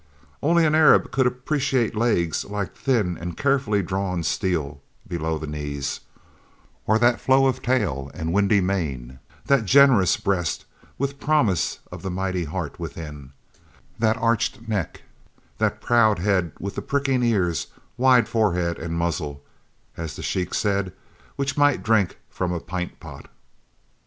Only an Arab could appreciate legs like thin and carefully drawn steel below the knees; or that flow of tail and windy mane; that generous breast with promise of the mighty heart within; that arched neck; that proud head with the pricking ears, wide forehead, and muzzle, as the Sheik said, which might drink from a pint pot.